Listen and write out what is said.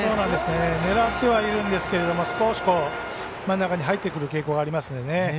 狙ってはいるんですけど少し、真ん中に入ってくる傾向がありますね。